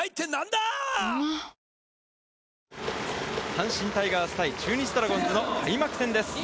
阪神タイガース対中日ドラゴンズの開幕戦です